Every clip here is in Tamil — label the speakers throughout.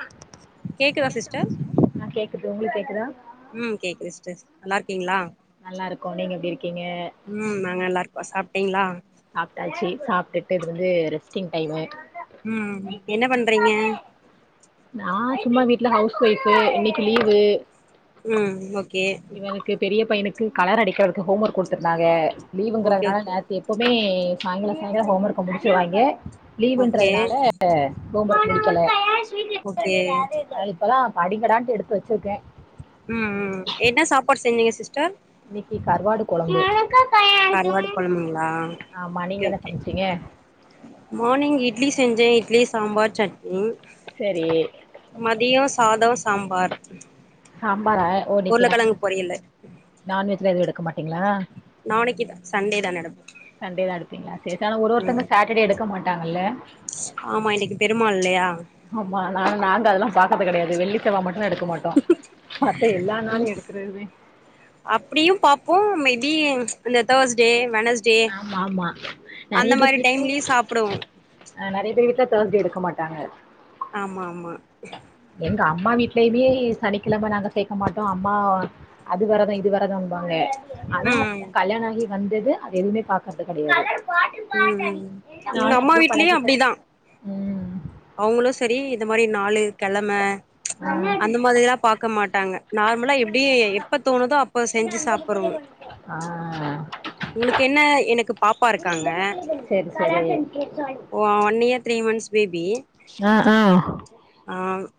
Speaker 1: [inaudible]
Speaker 2: கேக்குதா சிஸ்டர்
Speaker 1: அ கேக்குது உங்களுக் கேக்குதா
Speaker 2: ம் கேக்குது சிஸ்டர் நல்லாருக்கீங்ளா
Speaker 1: நல்லா இருக்கோ நீங்க எப்டி இருக்கீங்க
Speaker 2: ம் நாங் நல்லார்க்கோ சாப்டீங்ளா
Speaker 1: சாப்டாச்சு சாப்டுட்டு இருந்து ரெஸ்டிங் டைமு
Speaker 2: ம் என்ன பண்றீங்க
Speaker 1: நா சும்மா வீட்ல ஹவுஸ் ஒய்ஃப்பு இன்னைக்கு லீவு
Speaker 2: ம் ஓகே
Speaker 1: கு பெரிய பையனுக்கு கலர் அடிக்கிறதுக்கு ஹோம் ஒர்க் குடுத்திருந்தாங்க
Speaker 2: ஓகே
Speaker 1: லீவுங்கறனால
Speaker 2: ஓகே
Speaker 1: நேத்தி எப்பவுமே சாய்ங்கால சாய்ங்கால ஹோம் ஒர்க்க முடிச்சிருவாய்ங்க
Speaker 2: ஓகே
Speaker 1: லீவுன்றதுனால ப்ப ஹோம் வொர்க் முடிக்கல
Speaker 2: ஓகே
Speaker 1: அவிங்கள இப்பதா படிங்கடான்டு எடுத்து வச்சிர்க்க
Speaker 2: ம் என்ன சாப்பாடு செய்வீங்க சிஸ்டர்
Speaker 1: இன்னைக்கு கருவாடு கொழம்பு
Speaker 2: கருவாடு கொழம்புங்களா
Speaker 1: ஆமா
Speaker 2: கே
Speaker 1: நீங்க என்ன
Speaker 2: ஒகே
Speaker 1: சமச்சீங்க
Speaker 2: மார்னிங் இட்லி செஞ்சே இட்லி சாம்பார் சட்னி
Speaker 1: சரி
Speaker 2: மதியோ சாதோ சாம்பார்
Speaker 1: சாம்பாரா ஓ இன்னிக்கு
Speaker 2: உருளக்கெழங்கு
Speaker 1: நான்வெஜ்
Speaker 2: பொரியலு
Speaker 1: நான்வெஜ்லா எது எடுக்க மாட்டீங்ளா
Speaker 2: நாளைக்குதா சன்டேதா எடுப்போ
Speaker 1: சண்டேதா எடுப்பீங்ளா சேரி ச ஆனா ஒரு ஒருத்தோங்க சாட்டர்டே எடுக்க மாட்டாங்கல்ல
Speaker 2: ஆமா இன்னிக்கு பெருமாள் இல்லையா
Speaker 1: ஆமா நா நாங்க அதெல்லா பாக்கறது கடையாது வெள்ளி செவ்வா மட்டுதா எடுக்க மாட் டோ மத்த எல்லா நாளு எடுக்கறதுதா
Speaker 2: அப்புடியு பாப்போ மேபி இந்த தேர்ஸ்டே வெனஸ் டே
Speaker 1: ஆமா ஆமா
Speaker 2: அந்தமாரி டைம்லயு சாப்புடுவோ
Speaker 1: ஆ நறைய பேர் வீட்ல தேர்ஸ்டே எடுக்க மாட்டாங்க
Speaker 2: ஆமா ஆமா
Speaker 1: எங்க அம்மா வீட்லயுமே சனிக்கிழம நாங்க சேக்க மாட்டோ அம்மா அது வெரதோ இது வெரதோம்பாங்க ஆனா
Speaker 2: ம்
Speaker 1: கல்யாணோ ஆகி வந்தது அது எதுமே பாக்குறது கடையாது
Speaker 2: ம் ம் எங்க அம்மா வீட்லயு
Speaker 1: பழகிட்டே
Speaker 2: அப்டிதா
Speaker 1: ம்
Speaker 2: அவுங்களு செரி இந்தமாரி நாளு கெழம அந்த மாதிரில்லா பாக்க மாட்டாங்க நார்மலா எப்டி எப்ப தோணுதோ அப்ப செஞ்சு சாப்பட்றோ
Speaker 1: ஆ
Speaker 2: உனக்கு என்ன எனக்கு பாப்பா இருக்காங்க
Speaker 1: செரி செரி
Speaker 2: ஓ one year three months baby
Speaker 1: அ ஆ
Speaker 2: ஆ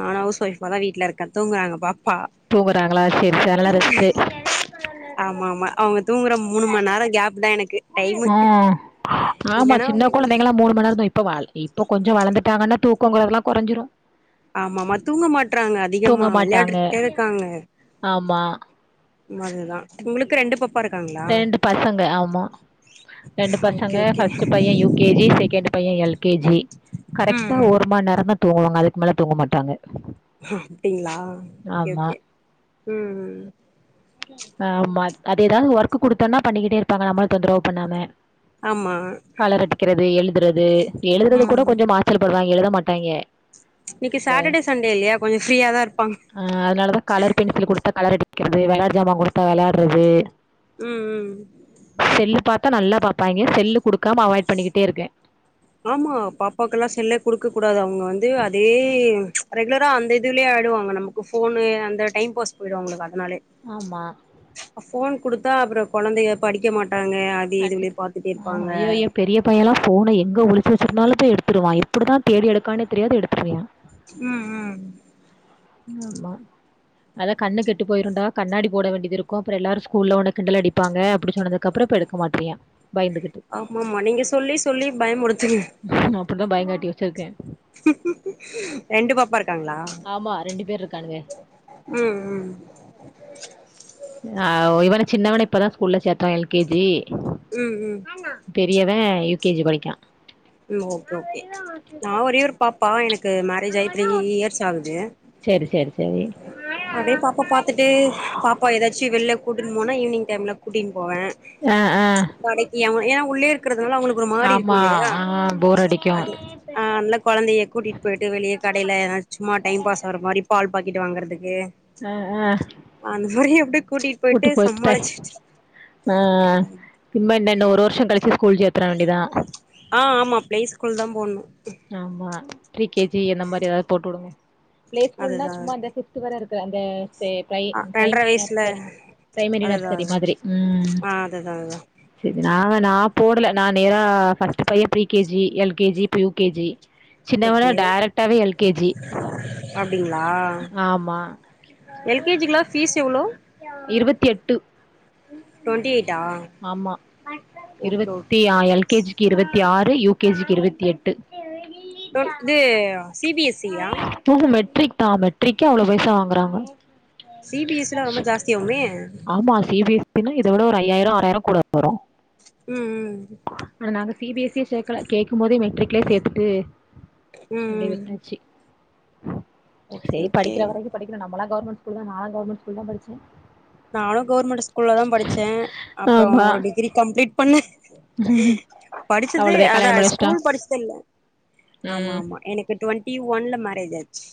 Speaker 2: நானு ஹவுஸ் ஒய்ஃபாதா வீட்ல இருக்க தூங்கறாங்க பாப்பா
Speaker 1: தூங்கறாங்களா சேரி சே அத்னால ரஸ்டு
Speaker 2: ஆமா ஆமா அவுங்க தூங்குற மூணு மண்நேரோ கேப்தா எனக்கு டைமு
Speaker 1: ம் ஆமா
Speaker 2: இல்லன்னா
Speaker 1: சின்ன கொழந்தைங்களா மூணு மண்நேரோதா இப்ப இப்போ கொஞ்சோ வளந்துட்டாங்கனா தூக்கோங்கறதுலா குறஞ்சிரு
Speaker 2: ஆமா ஆமா தூங்க மாட்றாங்க
Speaker 1: தூங்க
Speaker 2: அதிகமா
Speaker 1: மாட்டாங்க
Speaker 2: வெளையாடுட்டேதா இருக்காங்க
Speaker 1: ஆமா
Speaker 2: அதுதா உங்களுக்கு ரெண்டு பாப்பா இருக்காங்களா
Speaker 1: ரெண்டு பசங்க ஆமா ரெண்டு
Speaker 2: ஓகே
Speaker 1: பசங்க
Speaker 2: ஓகே
Speaker 1: ஃபஸ்ட்டு பைய யூ கே ஜி செகண்ட் பைய எல் கே ஜி
Speaker 2: ம்
Speaker 1: கரெக்டா
Speaker 2: ம்
Speaker 1: ஒரு மண்நேரோதா தூங்குவாங்க அதுக்கு மேல தூங்க மாட்டாங்க
Speaker 2: அப்டிங்ளா ஓகே
Speaker 1: ஆமா
Speaker 2: ஓகே ம் ம்
Speaker 1: ஆ ஆமா அது எதாது ஒர்க்கு குடுத்தோனா பண்ணிக்கிட்டே இருப்பாங்க நம்மள தொந்தரவு பண்ணாம
Speaker 2: ஆமா
Speaker 1: கலர் அடிக்கறது எழுதுறது எழுதுறது கூட
Speaker 2: ம்
Speaker 1: கொஞ்சோ மாசலு படுவாங்க எழுத மாட்டாய்ங்க
Speaker 2: இன்னைக்கு
Speaker 1: ட
Speaker 2: சாட்டர்டே சண்டே இல்லையா கொஞ்சோ ஃப்ரீயா தா இருப்பாங்க
Speaker 1: அ அதனாலதா கலர் பென்சிலு குடுத்தா கலர் அடிக் குறது வெளாட் ஜாமா குடுத்தா வெளாட்றது
Speaker 2: ம் ம்
Speaker 1: செல்லு பாத்தா நல்லா பாப்பாய்ங்க செல்லு கொடுக்காம அவாய்ட் பண்ணிக்கிட்டே இருக்கே
Speaker 2: ஆமா பாப்பாக்குல்லா செல்லே குடுக்க கூடாது அவங்க வந்து அதே ரெகுலரா அந்த இதுலயே ஆய்டுவாங்க நமக் ஃபோனு அந்த டைம் பாஸ் போய்டுவங்க உங்குளுக்கு அதனாலே
Speaker 1: ஆமா
Speaker 2: அ ஃபோன் குடுத்தா அப்றோ கொழைந்தைக படிக்க மாட்டாங்க அது
Speaker 1: கண்ணு
Speaker 2: இதுனு பாத்துட்டே
Speaker 1: ஆ
Speaker 2: இருப்பாங்க
Speaker 1: ஐயோ ஏ பெரிய பையலா ஃபோன எங்க ஒழிச்சு வெச்சிருந்தாலு போய் எடுத்துருவா எப்டி தா தேடி எடுக்கானே தெரியாது எடுத்துருவே
Speaker 2: ம் ம்
Speaker 1: ஆமா அதா கண்ணு கெட்டு போயிருண்டா கண்ணாடி போட வேண்டியது இருக்கு அப்பற எல்லாரு ஸ்கூல்ல ஒன்ன கிண்டல் அடிப்பாங்க அப்டி சொன்னதுக்கப்ற இப்ப எடுக் க்கமாட்டிய
Speaker 2: ஆமாம்மா நீங்க சொல்லி சொல்லி பயமுருத்துங்க
Speaker 1: அப்டிதா பயங்காட்டி வச்சிருக்கே
Speaker 2: ரெண்டு பாப்பா இருக்காங்ளா
Speaker 1: ஆமா ரெண்டு பேர் இருக்கானுங்க
Speaker 2: ம் ம்
Speaker 1: ஆ இவன சின்னவன இப்பதா ஸ்கூல்ல சேத்தோ எல் கே ஜி
Speaker 2: ம் ம்
Speaker 1: பெரியவ யூ கே ஜி படிக்கா
Speaker 2: ம் ஓகே ஓகே நா ஒரே ஒரு பாப்பா எனக்கு மேரேஜ் ஆகி த்ரீ இயர்ஸ் ஆகுது
Speaker 1: சேரி சேரி சேரி
Speaker 2: அப்டியே பாப்பா பாத்துட்டு பாப்பா எதாச்சு வெளில கூட்டுன் போனா ஈவ்னிங் டைம்ல கூட்டின்னு போவே
Speaker 1: ஆ ஆ
Speaker 2: கடைக்கு அவ ஏனா உள்ளே இருக்கிறதுனால அவ்ங்களுக்கு ஒரு மாரி இருக்கு
Speaker 1: ஆமா
Speaker 2: இல்லையா
Speaker 1: ஆ போர் அடிக்கு
Speaker 2: அது ஆ அத்னால கொழந்தைய கூட்டிட்டு போயிட்டு வெளிய கடைல எதா சும்மா டைம் பாஸ் ஆகுற மாரி பால் பாக்கெட் வாங்கற்த்துக்கு
Speaker 1: ஆ ஆ
Speaker 2: வானு உருகி அப்டியே கூட்டிட்
Speaker 1: கூட்டு போய்ட்டுதே ஆ இன்ன என்ன இன்ன ஒரு வர்ஷ கழிச்சு ஸ்கூல் சேத்துற வேண்டிதா
Speaker 2: ஆ ஆமா பிளே ஸ்கூல்தா போணு
Speaker 1: ஆமா பிரி கே ஜி என்ன மாரி எதாவ்து போட்டுடுங்க ஃப்ளே ஸ்கூல்னா
Speaker 2: அதுதா
Speaker 1: சும்மா இந்த குட் ட்டு வர இருக்க அந்த சேர் பிரை
Speaker 2: அ ரெண்ட்ர
Speaker 1: பிரைமரி
Speaker 2: வயசுல
Speaker 1: நர்சரி பிரைமரி
Speaker 2: அதுதா
Speaker 1: நர்சரி மாதிரி ம்
Speaker 2: ஆ அதுதா அதுதா
Speaker 1: செரி நா நா போடல நா நேரா ஃபஸ்ட்டு பைய pre K G L K G இப்ப யூ கே ஜி சின்னவன
Speaker 2: ஓகே
Speaker 1: டேரக்டாவே எல் கே ஜி
Speaker 2: அப்டிங்களா
Speaker 1: ஆமா
Speaker 2: எல் கே ஜி க்குலா ஃபீஸ் எவ்ளோ
Speaker 1: இருவத்தி எட்டு
Speaker 2: டுவெண்ட்டி எயிட்டா
Speaker 1: ஆமா
Speaker 2: ஓகே
Speaker 1: இருவத்தி
Speaker 2: ஓகே
Speaker 1: ஆ எல் கே ஜி க்கு இருவத்தி ஆறு யூ கே ஜி க்கு இருவத்தி எட்டு
Speaker 2: அ இது சி பி எஸ் சி யா
Speaker 1: ம் ம் மேட்ரிக் தா மேட்ரிகிக்கே அவ்ளோ பைசா வாங்குறாங்க
Speaker 2: சி பி எஸ் சி லா ரொம்ப ஜாஸ்தியாவுமே
Speaker 1: ஆமா சி பி எஸ் சி யா இத விட ஒரு ஐயாயிர ஆறாயிர கூட வரு
Speaker 2: ம் ம்
Speaker 1: நாங்க சி பி எஸ் சி யே சேக்கல கேடக்கும் போதே மெட்ரிக்லே சேத்துட்டு
Speaker 2: ம்
Speaker 1: அப்டியே
Speaker 2: ம்
Speaker 1: விட்டாச் சு
Speaker 2: ஓகே
Speaker 1: சேரி
Speaker 2: ஓகே
Speaker 1: படிக்கிற வரைக்கு படிக்கட்டு நம்மளா கவர்மெண்ட் ஸ்கூல் தா நாலா கவர்மெண்ட் ஸ்கூ கூல் தா படிச்சே
Speaker 2: நானு கவர்மெண்ட் ஸ்கூல்ல தா படிச்சே அப்பறோ
Speaker 1: ஆமா
Speaker 2: ஒரு டிகிரி கம்ப்ளீட் பண்ணே படிச்சது
Speaker 1: அவ்ளோதே
Speaker 2: அதா
Speaker 1: கல்யாண பண்ணி வச்சுட்டாங்
Speaker 2: ஸ்கூல் படிச்சதில்ல
Speaker 1: ம்
Speaker 2: ஆமாம்மா எனக் கு டுவென்டி ஒன்ல மேரேஜ் ஆச்சு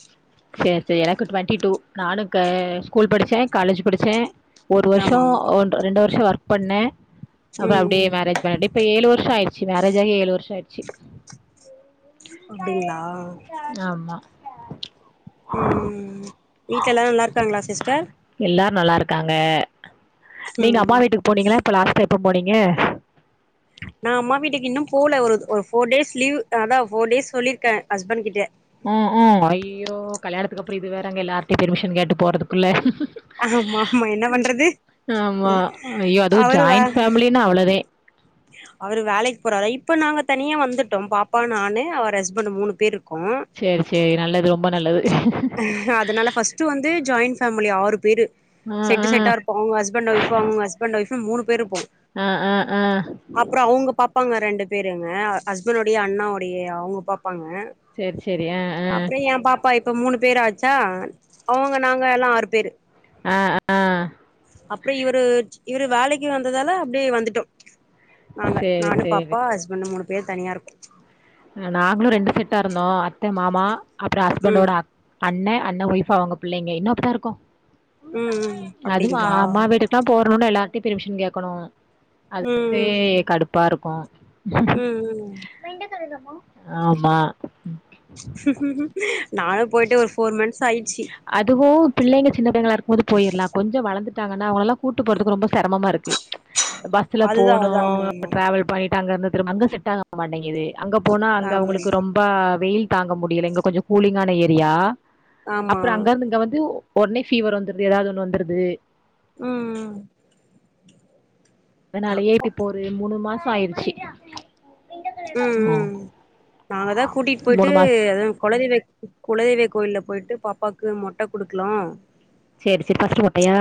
Speaker 1: சேர் சேர் எனக்கு ட்வென்ட்டி டூ நானு க ஸ்கூல் படிச்சே காலேஜ் படிச்சே ஒரு வர்ஷோ
Speaker 2: ஆமா ஆமா
Speaker 1: ஒன் ரெண்டு வர்ஷோ ஒர்க் பண்ணே அப்றோ
Speaker 2: ம்
Speaker 1: அப்டியே
Speaker 2: ம்
Speaker 1: மேரேஜ் பண்ணி இப்ப ஏழு வர்ஷோ ஆயிர்ச்சு மேரேஜ் ஆகி ஏழு வர்ஷோ ஆய்ருச்சு
Speaker 2: அப்டிங்ளா
Speaker 1: ஆமா
Speaker 2: ம் வீட்ல எல்லா நல்லாருக்காங்ளா சிஸ்டர்
Speaker 1: எல்லாரு நல்லாருக்காங்க நீங்க
Speaker 2: ம்
Speaker 1: அம்மா வீட்டுக்கு போனீங்ளா இப்ப லாஸ்ட்டா எப்ப போனீங்க
Speaker 2: நா அம்மா வீட்டுக்கு இன்னு போல ஒரு ஒரு ஃபோர் டேஸ் லீவ் அதா ஃபோர் டேஸ் சொல்லிருக்கே ஹஸ்பண்ட் கிட்ட
Speaker 1: ம் உம் அய்யியோ கல்யாணத்துக்கப்றோ இது வேறங்க எல்லார்ட்டயு பெர்மிஷன் கேட்டு போறதுக்குள்ள
Speaker 2: ஆமா ஆமா என்ன பண்றது
Speaker 1: ஆமா அய்யோ அதுவு
Speaker 2: அவரு வே
Speaker 1: ஜாயின்ட் ஃபேம்லினா அவ்ளதே
Speaker 2: அவரு வேலைக்கு போறாரா இப்ப நாங்க தனியா வந்துட்டோம் பாப்பா நானு அவர் அஸ்பண்ட்டு மூனு பேரு
Speaker 1: சேர் சேரி நல்லது ரொம்ப நல்லது
Speaker 2: அதனால ஃபஸ்ட்டு வந்து ஜாயின்ட் ஃபேம்லி ஆறு பேரு
Speaker 1: ஆ, ஆ.
Speaker 2: செட்டு செட்டாருப்போ அவுங்க அஸ்பண்ட் ஒய்ஃப்ஃபு அவுங்க அஸ்பண்ட் ஒய்ஃப்ஃபுன் மூனு பேரு இருப்போ
Speaker 1: ஆ ஆ ஆ
Speaker 2: அப்றோ அவுங்க பாப்பாங்க ரெண்டு பேருங்க அஸ்பண்னுடைய அண்ணாவுடைய அவுங்க பாப்பாங்க
Speaker 1: சரி, சரி. ஆ, ஆ.
Speaker 2: அப்றோ எ பாப்பா இப்ப மூனு பேர் ஆச்சா அவுங்க நாங்கல்லா ஆறு பேரு
Speaker 1: ஆ ஆ
Speaker 2: அப்ப இவரு இவரு வேலைக்கு வந்ததால அப்டியே வந்துட்டோ நாங்க
Speaker 1: சரி,
Speaker 2: நானு
Speaker 1: சரி.
Speaker 2: பாப்பா அஸ்பண்ட்டு மூனு பேரு தனியாருக்கோ
Speaker 1: நாங்களு ரெண்டு செட்டாருந்தோ அத்த மாமா அப்றோ
Speaker 2: ம்
Speaker 1: அஸ்பண்டோட அண்ணே அண்ணே ஒய்ஃப்ஃபு அவுங்க பிள்ளைங்க இன்னு அப்டிதாருக்கோ
Speaker 2: ம் ம் அப்டிங்ளா
Speaker 1: நா போனுன் எல்லார்ட்டியு பெர்மிஷன் கேட்கணு
Speaker 2: ம்
Speaker 1: அதுக்கே கடுப்பாருக்கு
Speaker 2: ம் ம்
Speaker 1: ஆமா
Speaker 2: நானு போய்ட்டு ஒரு ஃபோர் மன்த்ஸ்ஸாயிர்ச்சி
Speaker 1: அதுவு பிள்ளைங்க சின்ன பிள்ளைங்ளா இருக்கும்போது போயிர்லா கொஞ்சோ வளந்துட்டாங்கன்னா அவுங்களலா கூட்டு போறதுக்கு ரொம்ப செரம்மம்மாருக்கு பஸ்ஸுல
Speaker 2: அதுதா
Speaker 1: போனு
Speaker 2: அதுதா ஆமா ஆமா
Speaker 1: டிராவல் பண்ணிட்டு அங்கருந்து திரும்ப அங்க செட்டாக மாட்டேங்கிது அங்க போனா அங்க
Speaker 2: ஆமா
Speaker 1: அவுங்களுக்கு ரொம்ப வெயில் தாங்க முடில இங்க கொஞ்ச கூலிங்கான ஏரியா
Speaker 2: ஆமா
Speaker 1: அப்றோ அங்கருந்து இங்க வந்து ஒடனே ஃபீவர் வந்துருது எதாவ்து ஒன்னு வந்துருது
Speaker 2: ம் ம் ஆமா
Speaker 1: அதனாலயே இப்ப ஒரு மூனு மாசோ ஆயிருச்சு
Speaker 2: ம் ம் நாங்கதா கூட்டிட்
Speaker 1: மூணு
Speaker 2: போய்ட்டு
Speaker 1: மாச
Speaker 2: அதா கொல தெய்வ குலதெய்வ கோயில்ல போய்ட்டு பாப்பாக்கு மொட்ட குடுக்லா
Speaker 1: சேர் சேரி ஃபர்ஸ்ட்டு மொட்டயா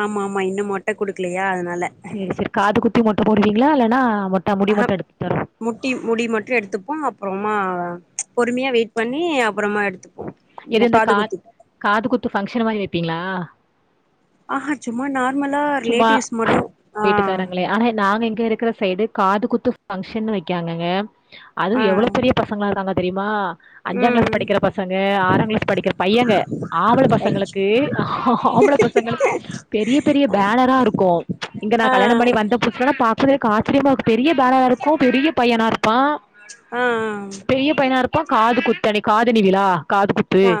Speaker 2: ஆமாமா இன்னு மொட்ட குடுக்கலையா அதுனால
Speaker 1: சேர் சேரி காது குத்தி மொட்ட போடுவீங்ளா இல்லன்னா மொட்ட முடி
Speaker 2: ஆஹ
Speaker 1: மட்டு எடுத்துரு
Speaker 2: முட்டி முடி மட்டு எடுத்துப்போ அப்றோமா பொறுமையா வெயிட் பண்ணி அப்றமா எடு
Speaker 1: எது இந்த கா காது குத்து பங்க்ஷன் மாரி வப்பீங்ளா
Speaker 2: ஆஹா சும்மா நா
Speaker 1: சும்மா வீட்டுக்காரங்களே ஆனா நாங்க இங்க இருக்குற சைடு காது குத்து ஃபங்க்ஷன்னு வெக்காங்கங்க
Speaker 2: ஆ
Speaker 1: அதுவு எவ்ளோ பெரிய பசங்ளாருக்காங்க தெரிமா அஞ்சாங்க்ளாஸ்
Speaker 2: ம்
Speaker 1: படிக்கிற பசங்க ஆறாங்க்ளாஸ் படிக்கிற பையங்க ஆம்பள பசங்களுக்கு ஆம்பள பசங்களுக்கு பெரிய பெரிய பேனரா இருக்கோ இங்க நா
Speaker 2: ஆ
Speaker 1: கல்யாணோ பண்ணி வந்த புதுஸ்லலா ப பாக்க சொல்லயே எக்காச்சரியமாக்கு பெரிய பேனரா இர்க்கோ பெரிய பையனா இருப்பா
Speaker 2: ஆ ஆ
Speaker 1: பெரிய பையனா இருப்பா காது குத்தணி காதணி விழா காது குத் பே
Speaker 2: ஆ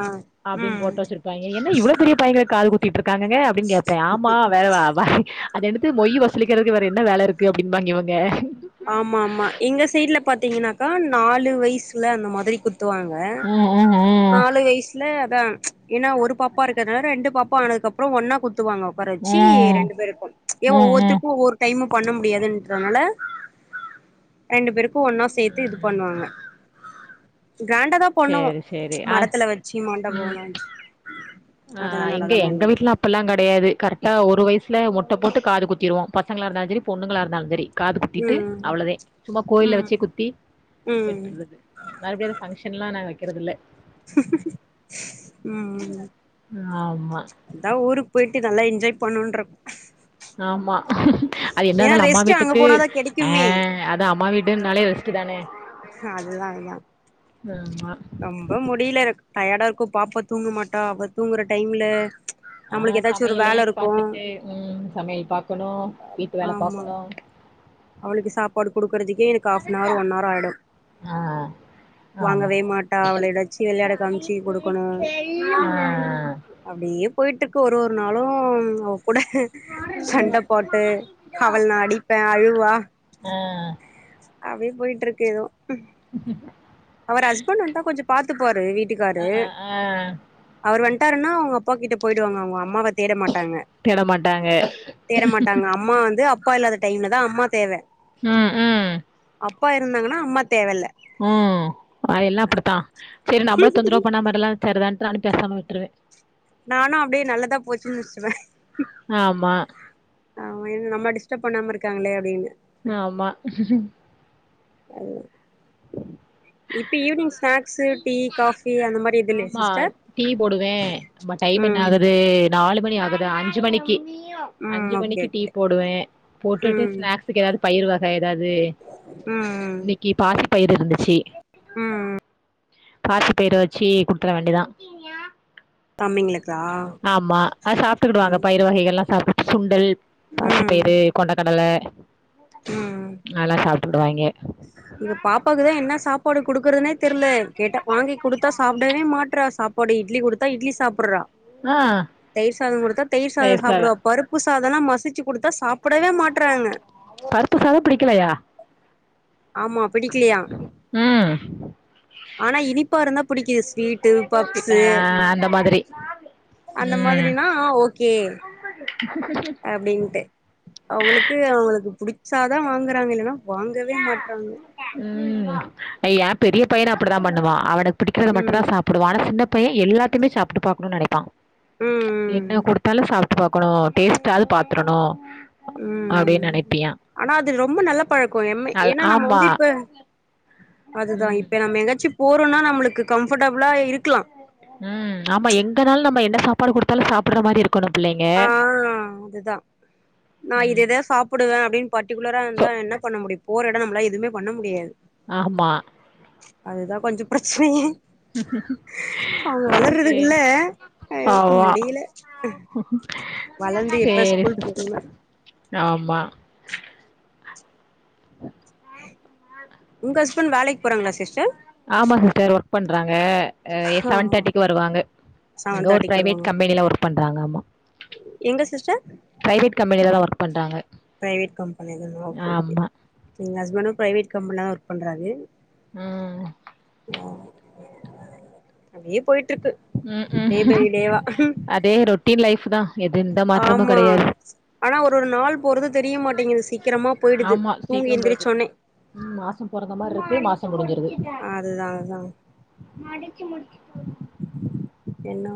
Speaker 1: அப்டீன்னு
Speaker 2: ம்
Speaker 1: போட்டா வெச்சிருப்பாய்ங்க என்ன இவ்வளோ பெரிய பையங்க காது குத்திட்டு இருக்காங்கங்க அப்டின்னு கேப்பே ஆமா வ வேற வா அது எடுத்து மொய் வசூலிக்கிறதுக்கு வேற என்ன வேல இருக்கு அப்டீன்பாய்ங்க இவங்க
Speaker 2: ஆமா ஆமா எங்க சைடுல பாத்தீங்கன்னாக்கா நாலு வயசுல அந்த மாரி குத் துவாங்க
Speaker 1: ம் ம் ம்
Speaker 2: நாலு வயசுல அதா ஏன்னா ஒரு பாப்பா இருக்குறதுனால ரெண்டு பாப்பா ஆனதுக்கு அப்புறோ ஒன்னா குத்துவாங்க வர வெச்சி
Speaker 1: ம்
Speaker 2: ரெண்டு பேருக்கும் ஏ
Speaker 1: ம் ம்
Speaker 2: ஒவ்வோர்த்தருக்கு ஒவ்வோர் டைமு பண்ண முடியாதுயின்றனால ரெண்டு பேருக்கு ஒன்னா சேத்து இது
Speaker 1: ம்
Speaker 2: பண்ணுவாங்க க்ராண்டா தா பொண்ணும்
Speaker 1: சேரி சேரி அ
Speaker 2: மடத்துல வெச்சு மண்டபோ
Speaker 1: ம்
Speaker 2: ஒண்ணு வெச்சு
Speaker 1: ஆ இங்க எங்க வீட்ல அப் படில்லா கெடையாது கரெக்டா ஒரு வயசுல மொட்ட போட்டு காது குத்திடுவோ பசங்களா இருந்தாலு செரி பொண்ணுங்களா இருந்தாலு செரி காது குத்திட்டு
Speaker 2: ம்
Speaker 1: அவ்வளோதே சும்மா கோயில்ல
Speaker 2: ம்
Speaker 1: வெச்சே குத்தி
Speaker 2: ம்
Speaker 1: வெட்டுறது மறுபடியு ஒரு ஃபங்க்ஷன்லா நாங்க வெக்கிறது இல்ல
Speaker 2: ம்
Speaker 1: ஆமா
Speaker 2: அதா ஊருக்கு போயிட்டு நல்லா என்ஜாய் பண்ணோன்ற
Speaker 1: ஆமா அது
Speaker 2: ஏன்னா
Speaker 1: என்னதாலு அம்மா
Speaker 2: ரெஸ்ட் அங்க
Speaker 1: வீட்டுக்கு
Speaker 2: போனாதா
Speaker 1: ஆ
Speaker 2: கெடைக்குமே
Speaker 1: அதா அம்மா வீடுனாலே கதானே
Speaker 2: அதுதா அததா
Speaker 1: ஆமா
Speaker 2: அம் அப்பவு முடில எனக்கு டயர்டா இருக்கோ பாப்பா தூங்கமாட்டா அவ தூங்குற டைம்ல
Speaker 1: ஆ
Speaker 2: நம்மளுக்கு ஏதாச்சு ஒரு
Speaker 1: சமையலே
Speaker 2: வேல இருக்கு
Speaker 1: பாத்துட்டு ம் சமையல் பாக்கணோ வீட்டு வேல
Speaker 2: ஆமா
Speaker 1: பாக்கணோ
Speaker 2: அவளுக்கு சாப்பாடு குடுக்குறதுக்கே எனக்கு ஆஃப்னார் ஒன்னார் ஆயிடோ
Speaker 1: ஆ ஆமா
Speaker 2: வாங்கவே மாட்டா அவள இத வெச்சு வெளையாட காம்ச்சி குடுக்கணோ அப்டியே போயிட்டுருக்கு ஒரு ஒரு நாளு அவ கூட சண்ட போட்டு அவள நா அடிப்பே அழுவா
Speaker 1: ஆ
Speaker 2: அப்டியே போயிட்டுருக்கு எதுவு
Speaker 1: [inaudible]
Speaker 2: அவரு ஹஸ்பண்ட் வந்தா கொஞ்சோ பாத்துபாரு வீட்டுக்காரு
Speaker 1: ஆ ஆ
Speaker 2: அவரு வந்த்ட்டாருனா அவுங்க அப்பா கிட்ட போயிடுவாங்க அவுங்க அம்மாவத் தேட மாட்டாங்க
Speaker 1: தேட மாட்டாங்க
Speaker 2: தேட மாட்டாங்க அம்மா வந்து அப்பா இல்லாத டைம்ல தா அம்மா தேவ
Speaker 1: ம் ம்
Speaker 2: அப்பா இருந்தாங்கனா அம்மா தேவ இல்ல
Speaker 1: ம் அது எல்லா அப்புடித்தா செரி நம்மள தொந்தரவு பண்ணா மாதிரலா செரிதான்ட்டு நானு பேசாம விட்டுருவே
Speaker 2: நானு அப்டியே நல்லதா போச்சுன்னு முச்சுட்றுவ
Speaker 1: ஆமா
Speaker 2: ஆமா இன்னு நம்மள டிஸ்டப் பண்ணாம இருக்காங்களே அப்டின்னு
Speaker 1: ஆமா
Speaker 2: [unintelligible] இப்ப ஈவ்னிங் ஸ்நாக்ஸு டீ காஃபி அந்த மாதிரி எது இல்லயா சிஸ்டர்
Speaker 1: இப்ப டைம் என்ன
Speaker 2: ம்
Speaker 1: ஆகுது நாலு மணி ஆகுது அஞ்சு மணிக்கு
Speaker 2: ம்
Speaker 1: அஞ்சு
Speaker 2: ஓகே
Speaker 1: மணிக்கு டீ
Speaker 2: ஓகே
Speaker 1: போடுவே போட்டுட்டு
Speaker 2: ம்
Speaker 1: ஸ்நாக்ஸுக்கு எதாவது பயிர் வக எதாவ்து
Speaker 2: ம் ம்
Speaker 1: இன்னிக்கி பாசி பயிரு இருந்துச்சு
Speaker 2: ம்
Speaker 1: பாசி பயற வச்சு குடுத்துர வேண்டிதா
Speaker 2: தம்பிங்களுக்கா
Speaker 1: ஆமா அ சாப்ட்டுக்கேடுவாங்க பயறு வகைகள்லா சாப்ட்டு சுண்டல்
Speaker 2: ம்
Speaker 1: பாசிப்பயிறு கொண்டைக்கடல அதுல்லா சாப்ட்டுக்குடுவாங்கே
Speaker 2: எங்க பாப்பாக்குதா என்ன சாப்பாடு குடுக்குறதுனே தெர்ல கேட்டா வாங்கி குடுத்தா சாப் டவே மாட்டுறா சாப்பாடு இட்லி குடுத்தா இட்லி சாப்புட்றா
Speaker 1: ஆ
Speaker 2: தயிர் சாதோ குடுத்தா தயிர் சாதோ சாப்புடுவா பருப்பு சாதல்லா மசிச்சு குடுத்தா சாப்புடவே மாட்றாங்க
Speaker 1: பருப்பு சாதம் பிடிக்கலையா
Speaker 2: ஆமா பிடிக்கலையா
Speaker 1: ம்
Speaker 2: ஆனா இனிப்பா இருந்தா புடிக்குது ஸ்வீட்டு பப்ஸு
Speaker 1: ஆ அந்த மாதிரி
Speaker 2: அந்த
Speaker 1: ம்
Speaker 2: மாதிரனா ஆ ஓகே
Speaker 1: [unintelligible]
Speaker 2: அப்டின்ட்டு அவங்களுக்கு அவங்களுக்கு புடிச்சாதா வாங்குறாங்க இல்லனா வாங்கவே மாட்றாங்க
Speaker 1: ம் ஏ பெரிய பையனு அப்டிதா பண்ணுவா அவனுக்கு பிடிக்கிறத மட்டுந்தா
Speaker 2: ம்
Speaker 1: சாப் புடுவா ஆனா சின்ன பைய எல்லாத்துமே சாப்ட்டு பாக்கணுனு நெனைப்பா
Speaker 2: ம் ம்
Speaker 1: என்ன குடுத்தாலு சாப் ட்டு பாக்கணு டேஸ்ட்டாது பாத்துரணு
Speaker 2: ம்
Speaker 1: அப்டின்னு நெனைப்பியா
Speaker 2: ஆனா அது ரொம்ப நல்ல பழக்கோ எம்
Speaker 1: நல்
Speaker 2: ஏன்னா நம்ம
Speaker 1: ஆமா
Speaker 2: வந்து இப்ப அதுதா
Speaker 1: ம்
Speaker 2: இப்ப நம்ம எங்காச்சு போறோனா நம்மளுக்கு கம்ஃபர்ட்டபிளா இருக்கலா
Speaker 1: ம் ஆமா எங்கனாலு நம்ம என்ன சாப்பாடு குடுத்தாலு சாப்புடுற மாரி இருக் கனு பிள்ளைங்க
Speaker 2: ஆ அதுதா நா
Speaker 1: ம்
Speaker 2: இதேதா சாப் புடுவே அப்டின் பர்டிகுலரா
Speaker 1: சோ
Speaker 2: இருந்தா என்ன பண்ண முடியு போற எடம் நம்மலா எதுமே பண்ண முடியாது
Speaker 1: ஆமா
Speaker 2: அதுதா கொஞ்ச பிரச்சனயே சோ அவங்க
Speaker 1: சே
Speaker 2: வளர்றதுக்குள்ள அயோ முடியல
Speaker 1: ம்
Speaker 2: வளந்து எப்ப ஸ்கூல் போகுங்க
Speaker 1: ஆமா ஆ ம்மா
Speaker 2: உங் ஹஸ்பண்ட் வேலைக்கு போறாங்களா சிஸ்டர்
Speaker 1: ஆமா சி்ஸ்டர் ஒர்க் பண்றாங்க அ எ
Speaker 2: ஆ
Speaker 1: செவன் தேர்ட்டிக்கு வருவாங்க
Speaker 2: செவன்
Speaker 1: இங்க ஒரு
Speaker 2: தேர்ட்டிக்கு வருவாங்க
Speaker 1: ப்ரைவேட் கம்பெனில ஒர்க் பண்றாங்க ஆமா
Speaker 2: எங்க சிஸ்டர்
Speaker 1: பிரைவேட் கம்பெனிலதா ஒர்க் பண்றாங்க
Speaker 2: ப்ரைவேட் கம்பெனிதானா ஓகே ஓகே
Speaker 1: ஆமா
Speaker 2: எங் ஹஸ்பண்டு ப்ரைவேட் கம்பென்லதா ஒர்க் பண்றாரு
Speaker 1: ம்
Speaker 2: அ அப்டியே போயிட்டுருக்கு
Speaker 1: ம் ம் அதே ரொட்டின் லைஃபுதா எது எந்த மாத்தமும்
Speaker 2: ஆமா
Speaker 1: கெடையாது
Speaker 2: ஆனா ஒரு ஒரு நாள் போறது தெரியமாட்டேங்குது சீக்கிரமா போயி்டுது
Speaker 1: ஆமா
Speaker 2: தூங்கி
Speaker 1: சீக்கிரம் போறது
Speaker 2: எந்திரிச்சோனே
Speaker 1: ம் மாசோ பொறந்த மார்ருக்கு மாசோ முடிஞ்சிருது
Speaker 2: அதுதா என்னவோ